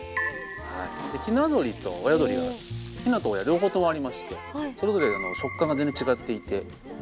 ひな鶏と親鶏がひなと親両方ともありましてそれぞれ食感が全然違っていて。